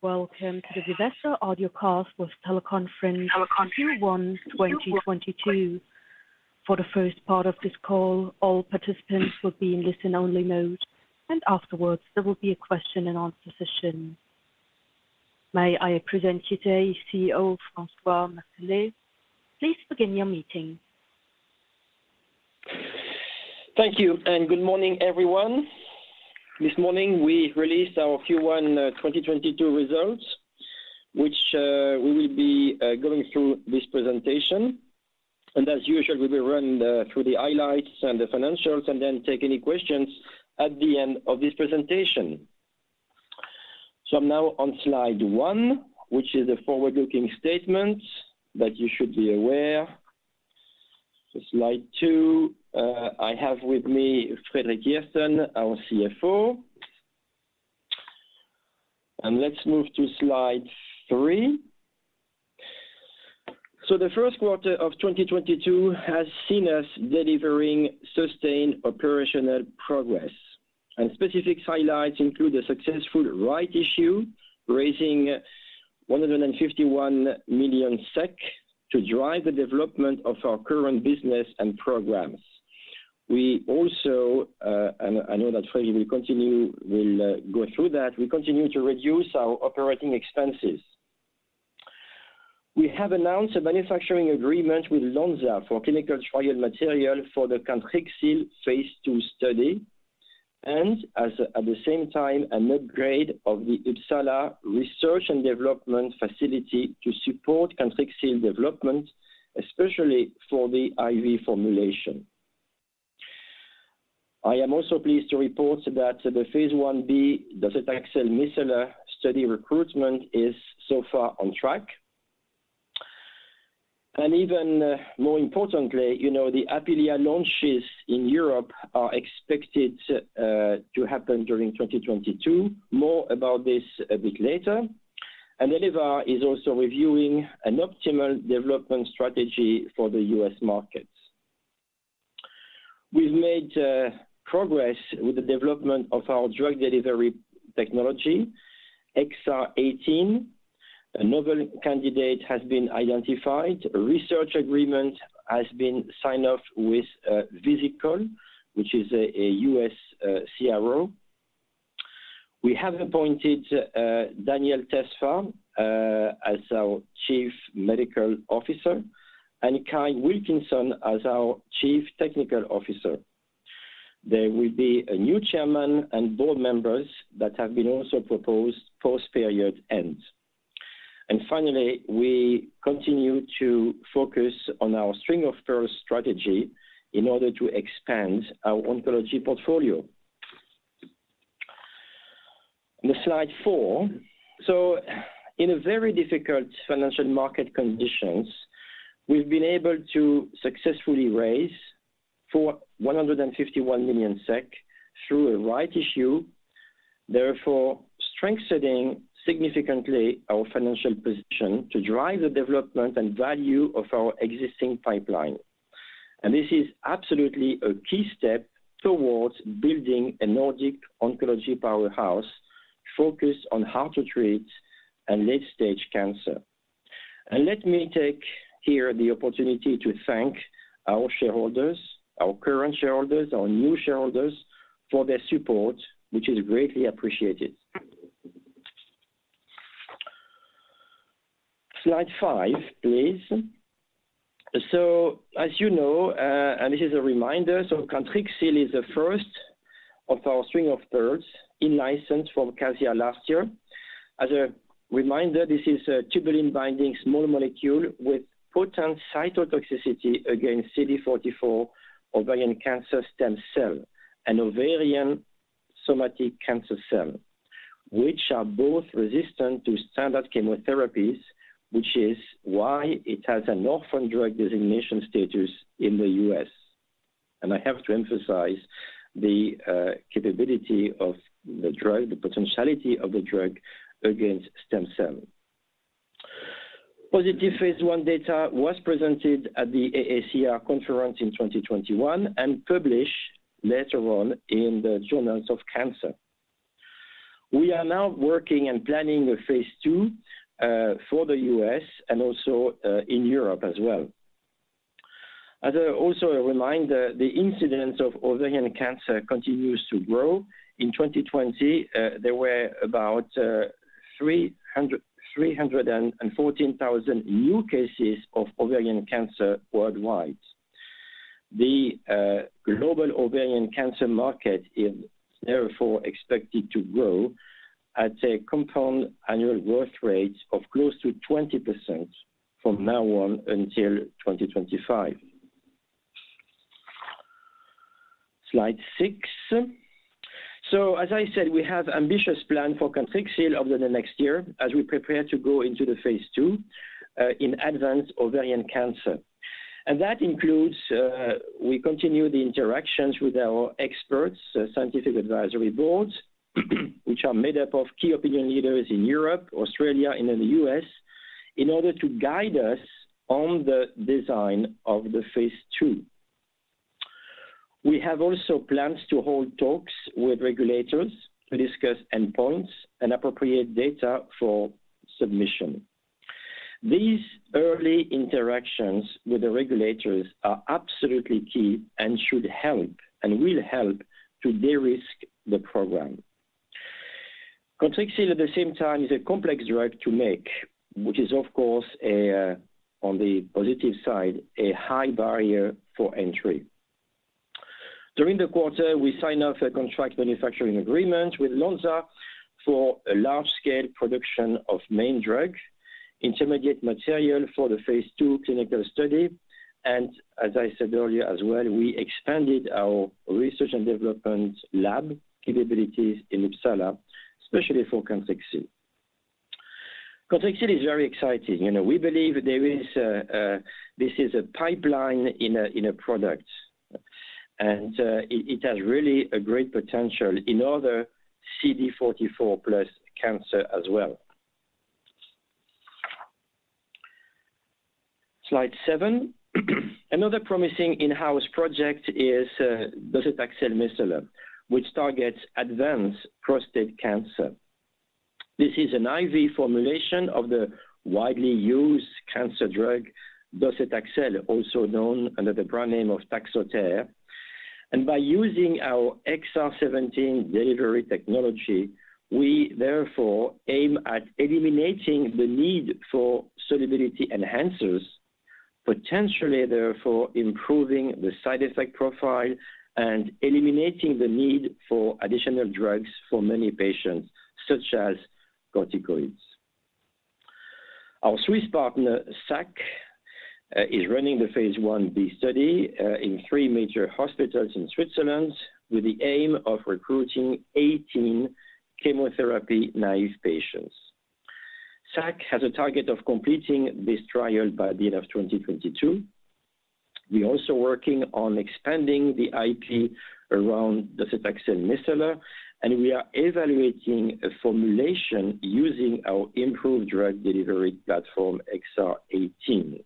Welcome to the Vivesto audiocast with teleconference Q1 2022. For the first part of this call, all participants will be in listen-only mode, and afterwards there will be a question and answer session. May I present to you today CEO François Martelet. Please begin your meeting. Thank you and good morning, everyone. This morning we released our Q1 2022 results, which we will be going through this presentation. As usual, we will run through the highlights and the financials and then take any questions at the end of this presentation. I'm now on slide one, which is a forward-looking statement that you should be aware. Slide two, I have with me Fredrik Järrsten, our CFO. Let's move to slide three. The first quarter of 2022 has seen us delivering sustained operational progress. Specific highlights include a successful rights issue, raising 151 million SEK to drive the development of our current business and programs. We also, I know that Freddie will go through that. We continue to reduce our operating expenses. We have announced a manufacturing agreement with Lonza for clinical trial material for the Cantrixil phase 2 study. At the same time, an upgrade to the Uppsala Research and Development facility to support Cantrixil development, especially for the IV formulation. I am also pleased to report that the phase 1b docetaxel micellar study recruitment is on track. Even more importantly, the Apealea launches in Europe are expected to happen during 2022. More about this a bit later. Elevar is also reviewing an optimal development strategy for the US markets. We've made progress with the development of our drug delivery technology, XR-18. A novel candidate has been identified. A research agreement has been signed off with Visikol, which is a US CRO. We have appointed Daniel Tesfa as our Chief Medical Officer, and Kai Wilkinson as our Chief Technical Officer. There will be a new chairman and board members that have also been proposed post-period end. We continue to focus on our string-of-pearls strategy in order to expand our oncology portfolio. Slide four. In a very difficult financial market conditions, we've been able to successfully raise 151 million SEK through a rights issue, therefore strengthening significantly our financial position to drive the development and value of our existing pipeline. This is absolutely a key step towards building a Nordic oncology powerhouse focused on how to treat a late-stage cancer. Let me take here the opportunity to thank our shareholders, our current shareholders, our new shareholders, for their support, which is greatly appreciated. Slide five, please. This is a reminder, Cantrixil is the first of our string of pearls in license from Kazia last year. As a reminder, this is a tubulin binding small molecule with potent cytotoxicity against CD44 ovarian cancer stem cell and ovarian somatic cancer cell, which are both resistant to standard chemotherapies, which is why it has an orphan drug designation status in the US. I have to emphasize the capability of the drug, the potentiality of the drug against stem cell. Positive phase 1 data was presented at the AACR conference in 2021 and published later on in the Journal of Cancer. We are now working and planning a phase 2 for the US and also in Europe as well. As a reminder, the incidence of ovarian cancer continues to grow. In 2020, there were about 314,000 new cases of ovarian cancer worldwide. The global ovarian cancer market is therefore expected to grow at a compound annual growth rate of close to 20% until 2025. Slide 6. As I said, we have ambitious plan for Cantrixil over the next year as we prepare to go into the phase two in advanced ovarian cancer. That includes we continue the interactions with our experts, scientific advisory boards, which are made up of key opinion leaders in Europe, Australia, and in the US, in order to guide us on the design of the phase two. We also plans to hold talks with regulators to discuss endpoints and appropriate data for submission. These early interactions with the regulators are absolutely key and should help and will help to de-risk the program. Cantrixil at the same time is a complex drug to make, which is of course on the positive side, a high barrier to entry. During the quarter, we signed off a contract manufacturing agreement with Lonza for a large scale production of main drug, intermediate material for the phase 2 clinical study. As I said earlier as well, we expanded our research and development lab capabilities in Uppsala, especially for Cantrixil. Cantrixil is very exciting. We believe this is a pipeline in a product. It has really a great potential in other CD44-positive cancer as well. Slide seven. Another promising in-house project is docetaxel micellar, which targets advanced prostate cancer. This is an IV formulation of the widely used cancer drug docetaxel, also known under the brand name of Taxotere. By using our XR-17 delivery technology, we therefore aim at eliminating the need for solubility enhancers, potentially therefore improving the side effect profile and eliminating the need for additional drugs for many patients, such as corticosteroids. Our Swiss partner, SAKK, is running the phase 1b study in three major hospitals in Switzerland with the aim of recruiting 18 chemotherapy naive patients. SAKK has a target of completing this trial by the end of 2022. We're also working on expanding the IP around docetaxel micellar, and we are evaluating a formulation using our improved drug delivery platform XR-18.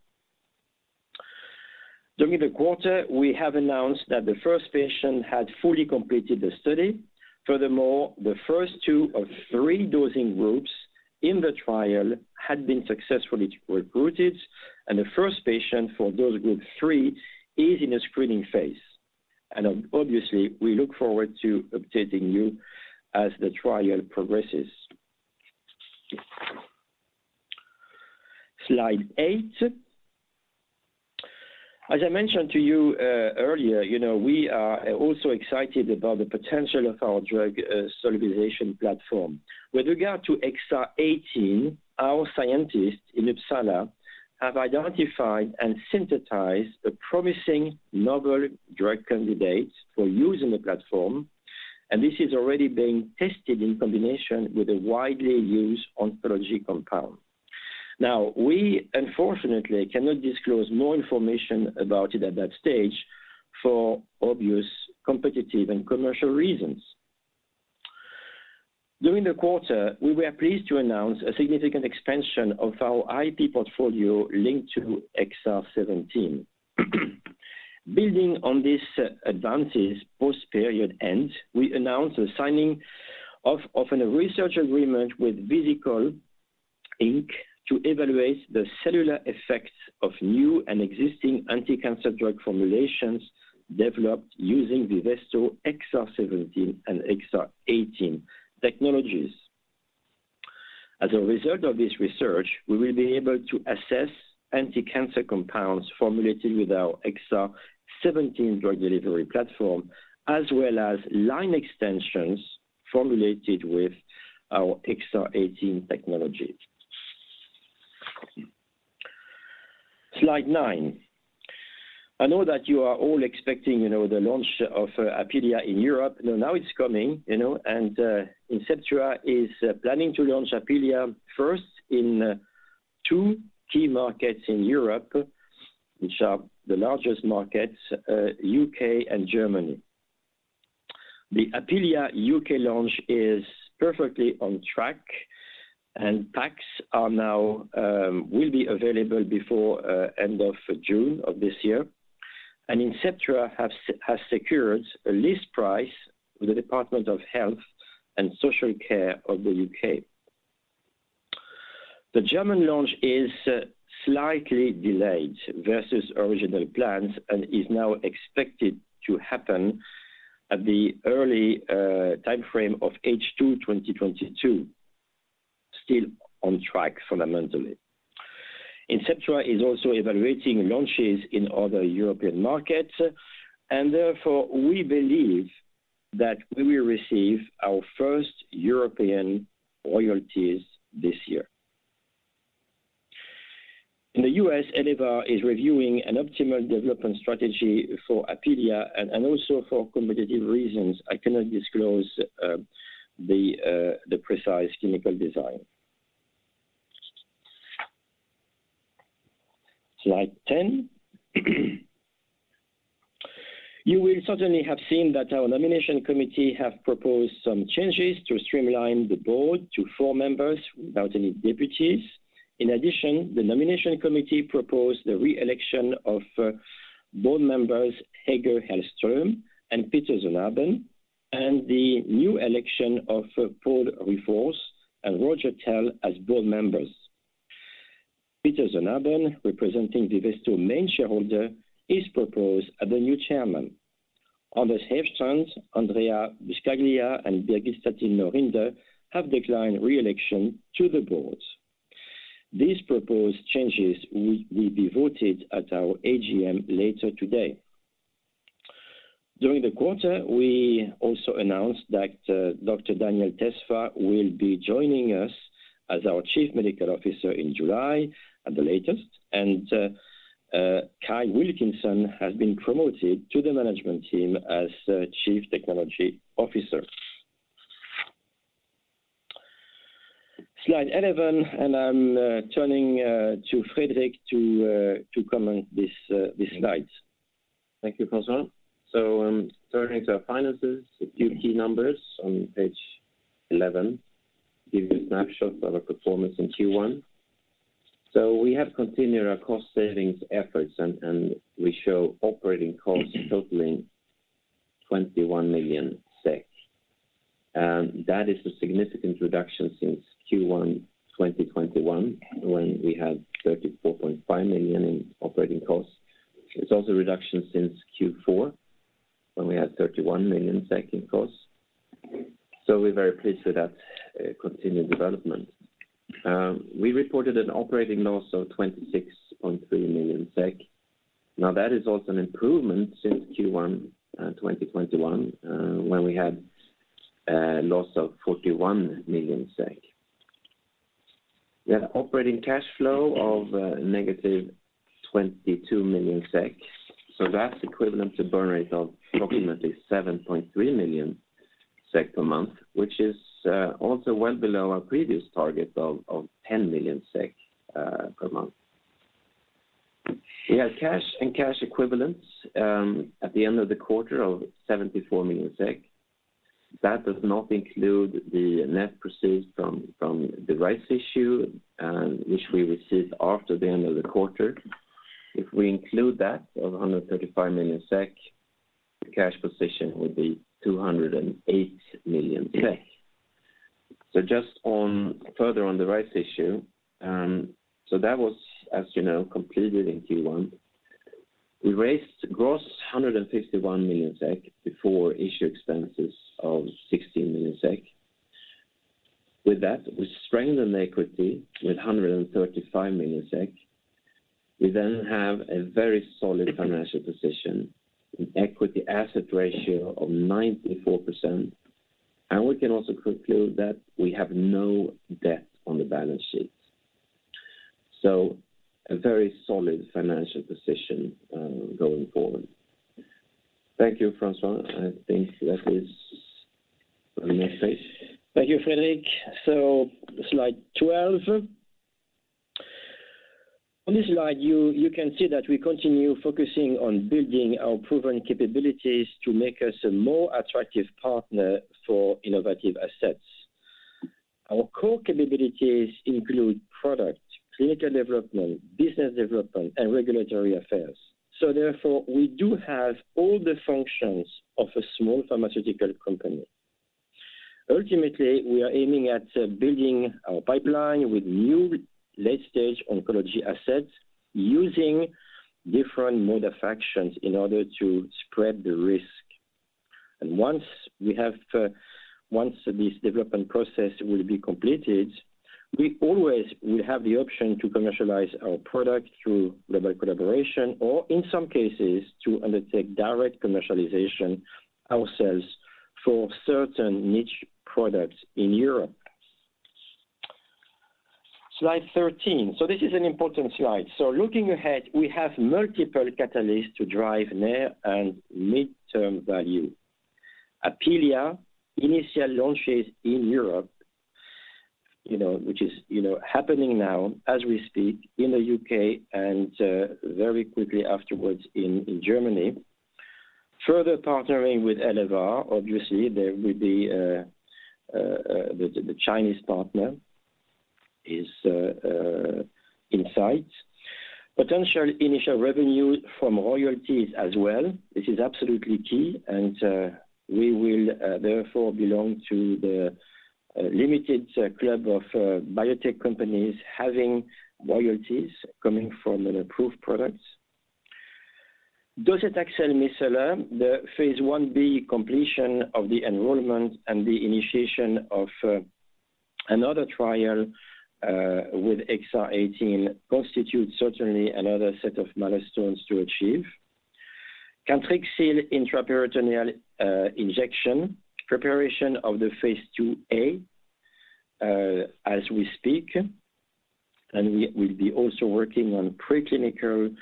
During the quarter, we have announced that the first patient had fully completed the study. Furthermore, the first two of three dosing groups in the trial had been successfully recruited, and the first patient in dose group 3 is in the screening phase. Obviously, we look forward to updating you as the trial progresses. Slide 8. As I mentioned to you earlier we are also excited about the potential of our drug solubilization platform. With regard to XR-18, our scientists in Uppsala have identified and synthesized a promising novel drug candidate for use in the platform, and this is already being tested in combination with a widely used oncology compound. Now, we unfortunately cannot disclose more information about it at that stage for obvious competitive and commercial reasons. During the quarter, we were pleased to announce a significant expansion of our IP portfolio linked to XR-17. Building on these advances, post period end, we announced the signing of a research agreement with Visikol Inc. to evaluate the cellular effects of new and existing anti-cancer drug formulations developed using Vivesto XR-17 and XR-18 technologies. As a result of this research, we will be able to assess anti-cancer compounds formulated with our XR-17 drug delivery platform, as well as line extensions formulated with our XR-18 technology. Slide nine. I know that you are all expecting the launch of Apealea in Europe. Now it's coming and Inceptua is planning to launch Apealea first in two key markets in Europe, which are the largest markets: U.K. and Germany. The Apealea U.K. launch is perfectly on track and packs will be available before end of June of this year. Inceptua has secured a list price with the Department of Health and Social Care of the U.K. The German launch is slightly delayed versus original plans and is now expected to happen at the early time frame of H2 2022. Still on track fundamentally. Inceptua is also evaluating launches in other European markets, and therefore, we believe that we will receive our first European royalties this year. In the U.S., Elevar is reviewing an optimal development strategy for Apealea, and also for competitive reasons, I cannot disclose the precise clinical design. Slide 10. You will certainly have seen that our nomination committee have proposed some changes to streamline the board to 4 members without any deputies. In addition, the nomination committee proposed the re-election of board members Hege Hellström and Peter Zetterberg, and the new election of Pål Ryfors and Roger Tell as board members. Peter Zetterberg, representing Vivesto main shareholder, is proposed as the new chairman. Anders Härfstrand, Andrea Buscaglia, and Birgit Stattin Norinder have declined re-election to the boards. These proposed changes will be voted at our AGM later today. During the quarter, we also announced that Dr. Daniel Tesfa will be joining us as our Chief Medical Officer in July at the latest. Kai Wilkinson has been promoted to the management team as Chief Technology Officer. Slide 11, and I'm turning to Fredrik to comment this slide. Thank you, François. I'm turning to our finances. A few key numbers on page 11 give you a snapshot of our performance in Q1. We have continued our cost savings efforts and we show operating costs totaling 21 million SEK. That is a significant reduction since Q1 2021 when we had 34.5 million in operating costs. It's also a reduction since Q4 when we had 31 million in costs. We're very pleased with that continued development. We reported an operating loss of 26.3 million SEK. Now, that is also an improvement since Q1 2021 when we had loss of 41 million SEK. We had operating cash flow of -22 million SEK, so that's equivalent to burn rate of approximately 7.3 million SEK per month, which is also well below our previous target of 10 million SEK per month. We had cash and cash equivalents at the end of the quarter of 74 million SEK. That does not include the net proceeds from the rights issue and which we received after the end of the quarter. If we include that of 135 million SEK, the cash position would be 208 million SEK. Further on the rights issue, that was completed in Q1. We raised gross 151 million SEK before issue expenses of 16 million SEK. With that, we strengthened equity with 135 million SEK. We have a very solid financial position, with an equity asset ratio of 94%, and we can also conclude that we have no debt on the balance sheet. A very solid financial position, going forward. Thank you, François. I think that is my space. Thank you, Fredrik. Slide twelve. On this slide, you can see that we continue focusing on building our proven capabilities to make us a more attractive partner for innovative assets. Our core capabilities include product, clinical development, business development, and regulatory affairs. Therefore, we have all the functions of a small pharmaceutical company. Ultimately, we are aiming at building our pipeline with new late-stage oncology assets using different mode of actions in order to spread the risk. Once this development process will be completed, we always will have the option to commercialize our product through global collaboration or in some cases to undertake direct commercialization ourselves for certain niche products in Europe. Slide thirteen. This is an important slide. Looking ahead, we have multiple catalysts to drive near and midterm value. Apealea initial launches in Europe which is happening now as we speak in the UK and very quickly afterwards in Germany. Further partnering with Elevar, obviously there will be the Chinese partner is in sight. Potential initial revenue from royalties as well. This is absolutely key and we will therefore belong to the limited club of biotech companies having royalties coming from an approved product. Docetaxel micellar, the phase 1b completion of the enrollment and the initiation of another trial with XR-18 constitutes certainly another set of milestones to achieve. Cantrixil intraperitoneal injection preparation of the phase 2a as we speak, and we will be also working on preclinical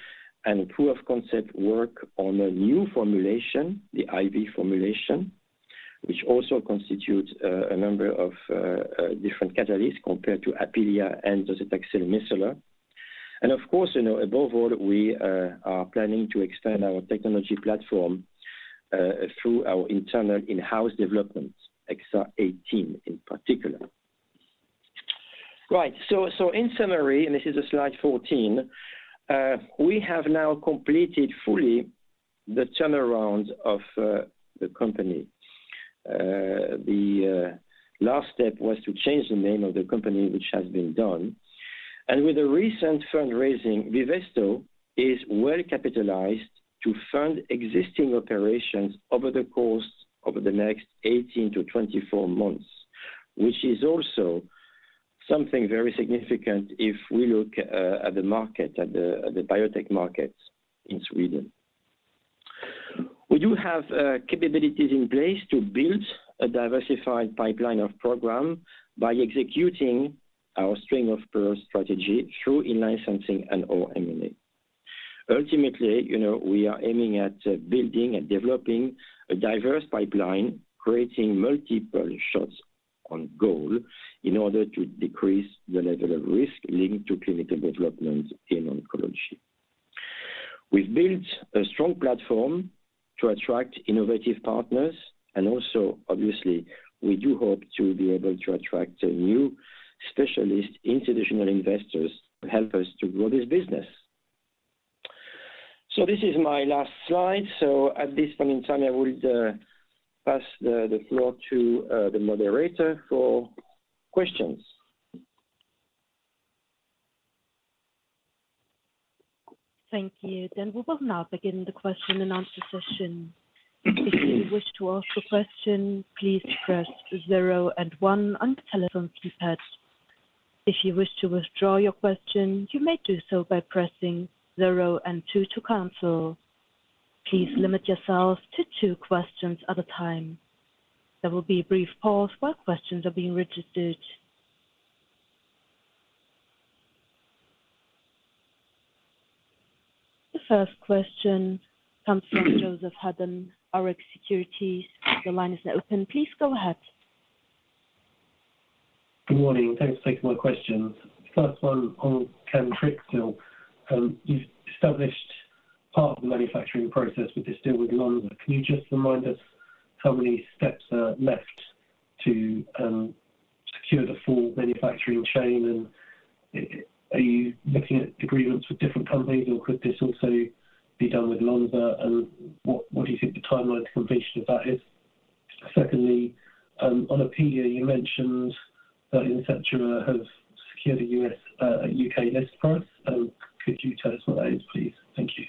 and proof of concept work on a new formulation, the IV formulation, which also constitutes a number of different catalysts compared to Apealea and docetaxel micellar. Of course, above all, we are planning to extend our technology platform through our internal in-house developments, XR18 in particular. In summary, this is slide 14, we have now completed fully the turnaround of the company. The last step was to change the name of the company, which has been done. With the recent fundraising, Vivesto is well capitalized to fund existing operations over the course of the next 18-24 months, which is also something very significant if we look at the biotech market in Sweden. We do have capabilities in place to build a diversified pipeline of programs by executing our string-of-pearls strategy through in-licensing and/or M&A. Ultimately, we are aiming at building and developing a diverse pipeline, creating multiple shots on goal in order to decrease the level of risk linked to clinical development in oncology. We've built a strong platform to attract innovative partners and also obviously, we hope to attract new specialist institutional investors to help us to grow this business. This is my last slide. At this point in time, I will pass the floor to the moderator for questions. Thank you. We will now begin the question and answer session. If you wish to ask a question, please press zero and one on your telephone keypad. If you wish to withdraw your question, you may do so by pressing zero and two to cancel. Please limit yourselves to two questions at a time. There will be a brief pause while questions are being registered. The first question comes from Joseph Sheridan, Rx Securities. Your line is now open. Please go ahead. Good morning. Thanks for taking my questions. First one on Cantrixil. You've established part of the manufacturing process with this deal with Lonza. Can you just remind us how many steps are left to secure the full manufacturing chain? And are you looking at agreements with different companies, or could this also be done with Lonza? And what do you think the timeline to completion of that is? Secondly, on Apealea, you mentioned that Inceptua has secured a US, UK list price. Could you tell us what that is, please? Thank you.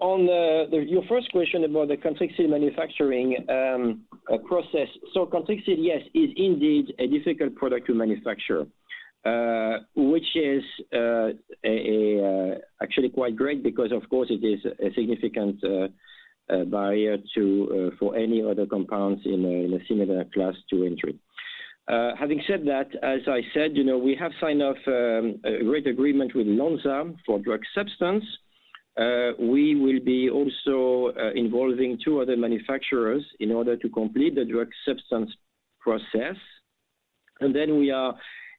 On your first question about the Cantrixil manufacturing process. Cantrixil, yes, is indeed a difficult product to manufacture, which is actually quite great because of course it is a significant barrier to entry for any other compounds in a similar class. Having said that, as I said we have signed off a great agreement with Lonza for drug substance. We will be also involving two other manufacturers in order to complete the drug substance process. Then we are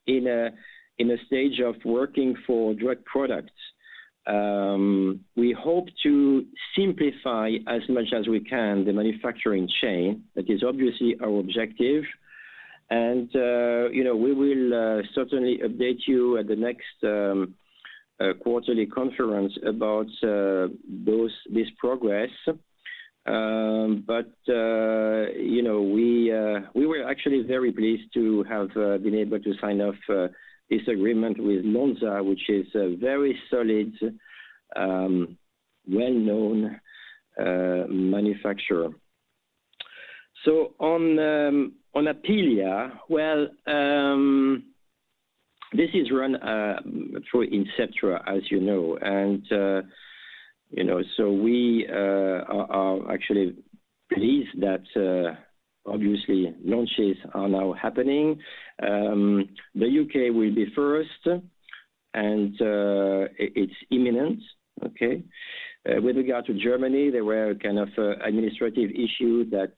in a stage of working for drug products. We hope to simplify as much as we can the manufacturing chain. That is obviously our objective. We will update you at the next quarterly conference about this progress. We were actually very pleased to have been able to sign off this agreement with Lonza, which is a very solid, well-known manufacturer. On Apealea, this is run through Inceptua. We are pleased that launches are now happening. The UK will be first, and it's imminent. Okay. With regard to Germany, there were administrative issue that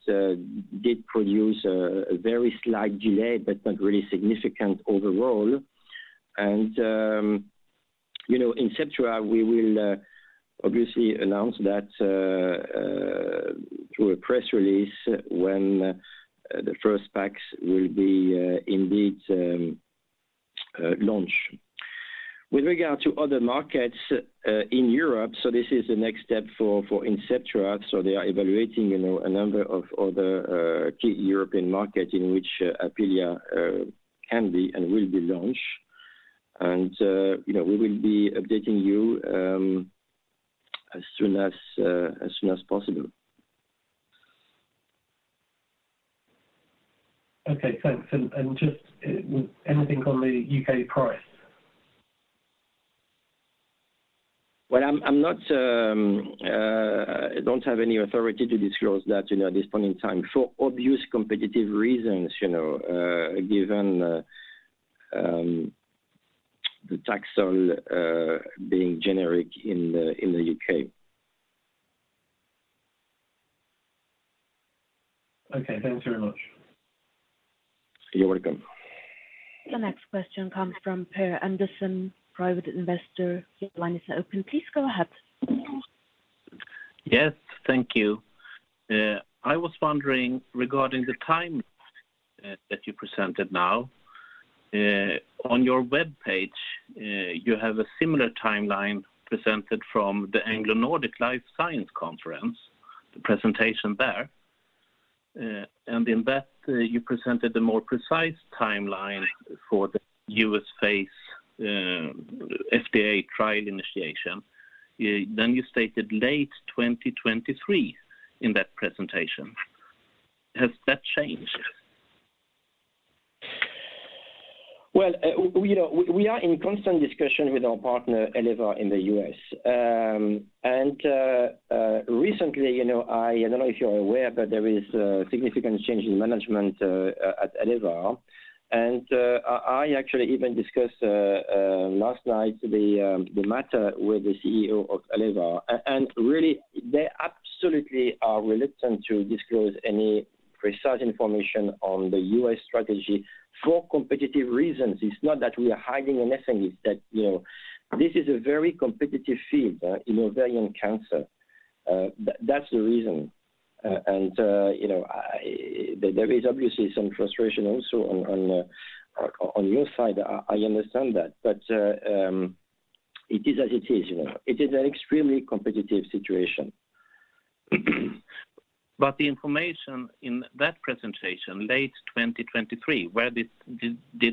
did produce a very slight delay, but not really significant overall. Inceptua, we will obviously announce that through a press release when the first packs will be indeed launched. With regard to other markets in Europe, this is the next step for Inceptua. They are evaluating a number of other key European markets in which Apealea can be and will be launched. We will be updating you as soon as possible. Okay, thanks. Just anything on the U.K. price? I don't have any authority to disclose that at this point in time for obvious competitive reasons given the Taxol being generic in the U.K. Okay, thanks very much. You're welcome. The next question comes from Per Andersson, Private Investor. Your line is open. Please go ahead. Yes, thank you. I was wondering regarding the timeline that you presented now. On your webpage, you have a similar timeline presented from the AngloNordic Life Science Conference, the presentation there. In that, you presented a more precise timeline for the US phase, FDA trial initiation. Then you stated late 2023 in that presentation. Has that changed? We are in constant discussion with our partner Elevar in the U.S. Recently, I don't know if you are aware, but there is a significant change in management at Elevar. I actually even discussed last night the matter with the CEO of Elevar. And really, they absolutely are reluctant to disclose any precise information on the U.S. strategy for competitive reasons. It's not that we are hiding anything. It's that this is a very competitive field in ovarian cancer. That's the reason. There is obviously some frustration also on your side. I understand that. It is as it is. It is an extremely competitive situation. The information in that presentation, late 2023, where did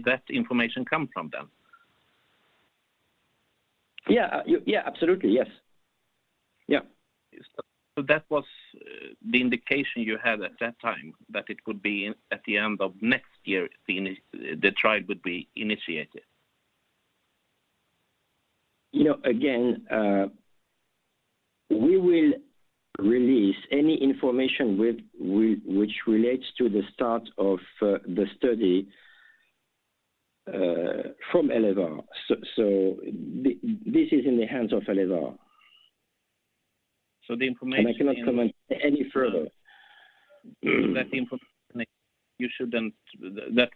that information come from then? Yeah, yeah, absolutely, yes. Yeah. That was the indication you had at that time, that it could be at the end of next year the trial would be initiated. We will release any information related to the start of the study from Elevar. This is in the hands of Elevar. The information. I cannot comment any further. That information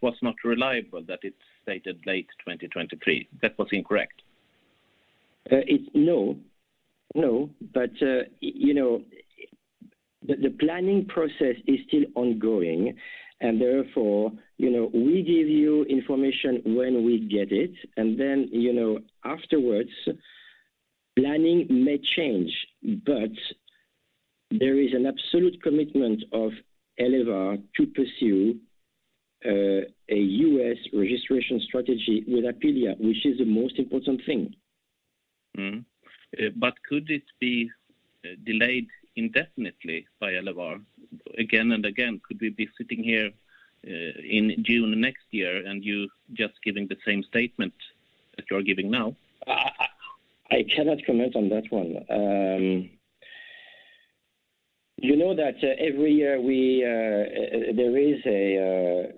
was not reliable, that it's stated late 2023. That was incorrect. It's no. The planning process is still ongoing, and therefore, we give you information when we get it. Afterwards, planning may change. There is an absolute commitment of Elevar to pursue a US registration strategy with Apealea, which is the most important thing. Could it be delayed indefinitely by Elevar again and again? Could we be sitting here, in June next year and you just giving the same statement that you're giving now? I cannot comment on that one. That every year there is a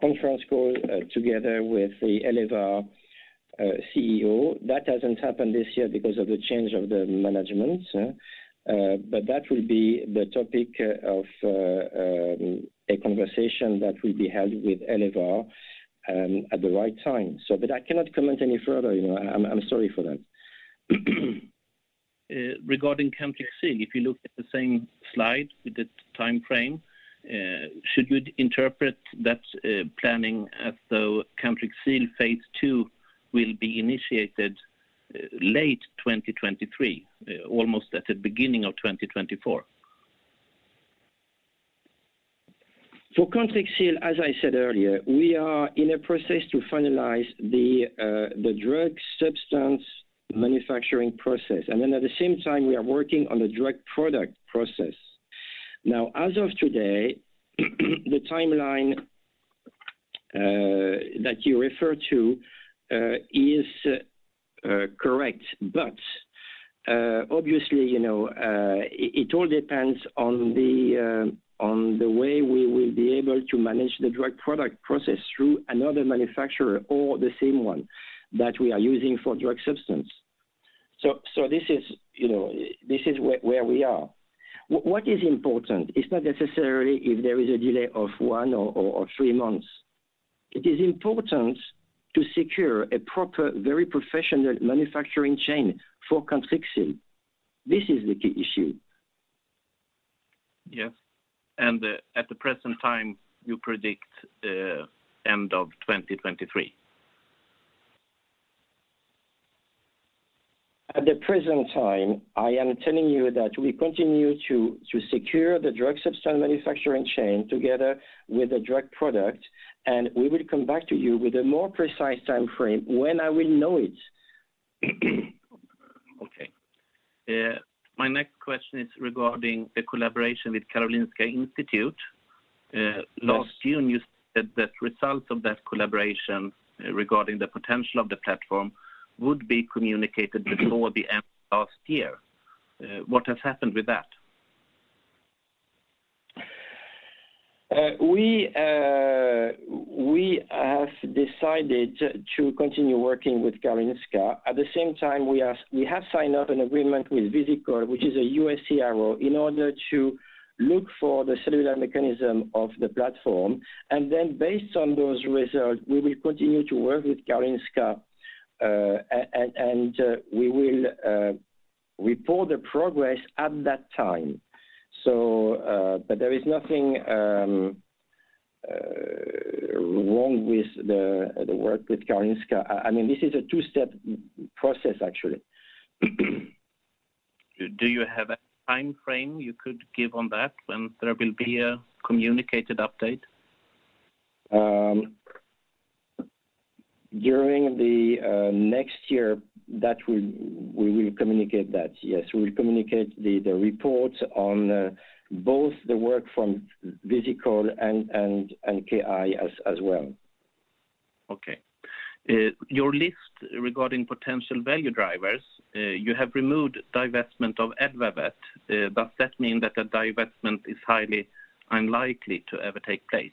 conference call together with the Elevar CEO. That hasn't happened this year because of the change of the management. That will be the topic of a conversation that will be held with Elevar at the right time. I cannot comment any further. I'm sorry for that. Regarding Cantrixil, if you look at the same slide with the time frame, should we interpret that planning as though Cantrixil phase 2 will be initiated late 2023, almost at the beginning of 2024? For Cantrixil, as I said earlier, we are in a process to finalize the drug substance manufacturing process. At the same time, we are working on the drug product process. Now, as of today, the timeline that you refer to is correct. Obviously, it all depends on the way we will be able to manage the drug product process through another manufacturer or the same one that we are using for drug substance. This is where we are. What is important is not necessarily if there is a delay of one or three months. It is important to secure a proper, very professional manufacturing chain for Cantrixil. This is the key issue. Yes. At the present time, you predict end of 2023. At the present time, I am telling you that we continue to secure the drug substance manufacturing chain together with the drug product, and we will come back to you with a more precise time frame when I will know it. Okay, my next question is regarding the collaboration with Karolinska Institutet. Last June, you said that results of that collaboration regarding the potential of the platform would be communicated before the end of last year. What has happened with that? We have decided to continue working with Karolinska. At the same time we have signed an agreement with Visikol, which is a U.S. CRO, in order to look for the cellular mechanism of the platform. Then based on those results, we will continue to work with Karolinska, and we will report the progress at that time. But there is nothing wrong with the work with Karolinska. This is a two-step process actually. Do you have a time frame you could give on that when there will be a communicated update? During the next year that we will communicate that. Yes, we will communicate the reports on both the work from Visikol and KI as well. Your list regarding potential value drivers, you have removed divestment of AdvaVet. Does that mean that a divestment is highly unlikely to ever take place?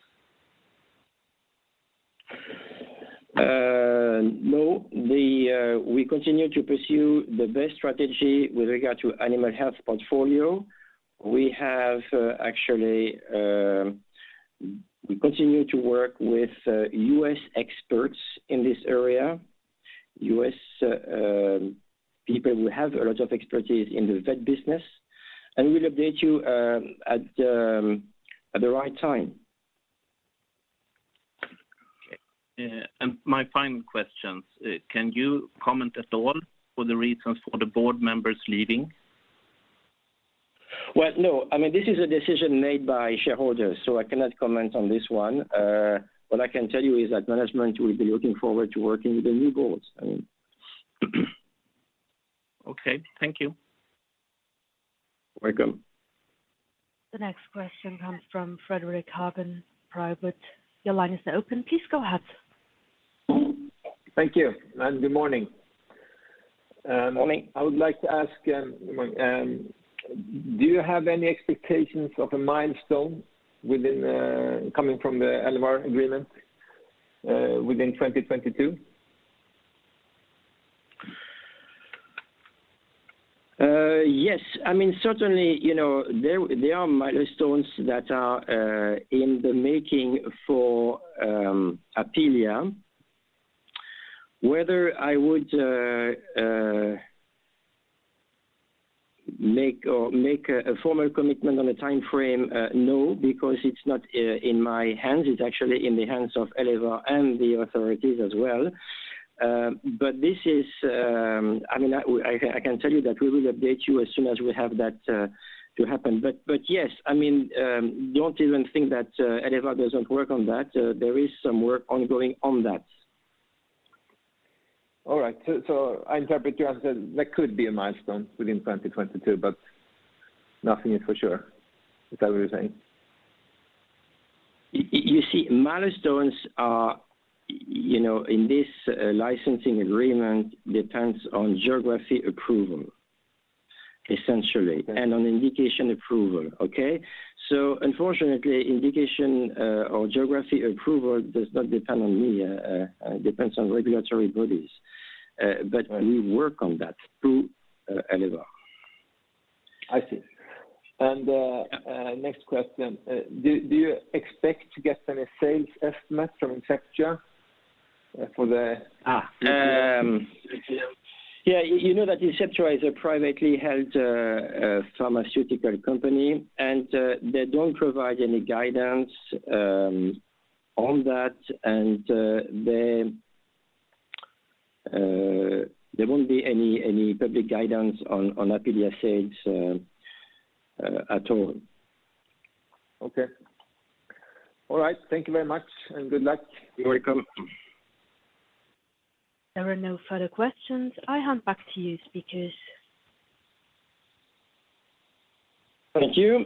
No. We continue to pursue the best strategy with regard to animal health portfolio. We have actually we continue to work with U.S. experts in this area, U.S. people who have a lot of expertise in the vet business. We'll update you at the right time. Okay. My final question, can you comment at all for the reasons for the board members leaving? No. This is a decision made by shareholders, so I cannot comment on this one. What I can tell you is that management will be looking forward to working with the new boards. Okay. Thank you. Welcome. The next question comes from Frederick Hagen Private. Your line is open. Please go ahead. Thank you and good morning. Morning. I would like to ask, do you have any expectations of a milestone within coming from the Elevar agreement within 2022? Yes. Certainly, there are milestones that are in the making for Apealea. Whether I would make a formal commitment on a time frame, no, because it's not in my hands. It's actually in the hands of Elevar and the authorities as well. I can tell you that we will update you as soon as we have that to happen. Yes Don't even think that Elevar doesn't work on that. There is some work ongoing on that. All right. I interpret you as that there could be a milestone within 2022, but nothing is for sure. Is that what you're saying? You see, milestones are in this licensing agreement depends on geography approval, essentially. Okay. On indication approval, okay? Unfortunately, indication or geography approval does not depend on me. It depends on regulatory bodies. Right. We work on that through Elevar. I see. Next question. Do you expect to get any sales estimate from Inceptua for the- Ah. Um- Apealea. That Inceptua is a privately held pharmaceutical company, and they don't provide any guidance on that. There won't be any public guidance on Apealea sales at all. Okay. All right. Thank you very much, and good luck. You're welcome. There are no further questions. I hand back to you, speakers. Thank you.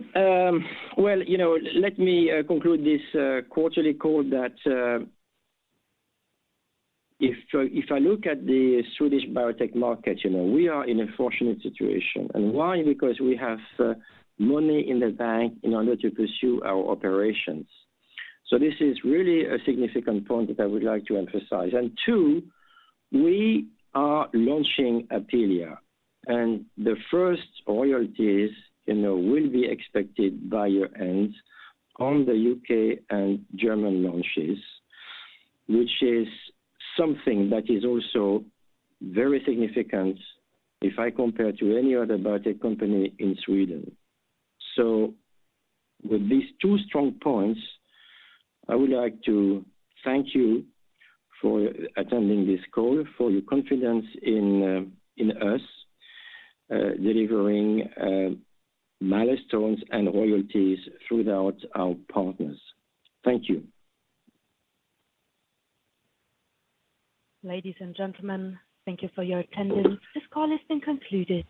Let me conclude this quarterly call that if I look at the Swedish biotech market we are in a fortunate situation. Why? Because we have money in the bank in order to pursue our operations. This is really a significant point that I would like to emphasize. Two, we are launching Apealea. The first royalties will be expected by year-end on the UK and German launches. Which is something that is also very significant if I compare to any other biotech company in Sweden. With these two strong points, I would like to thank you for attending this call, for your confidence in us delivering milestones and royalties through our partners. Thank you. Ladies and gentlemen, thank you for your attendance. This call has been concluded.